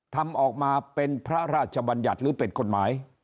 ทำออกมาเป็นพระราชบัญญัติหรือเป็นกฎหมาย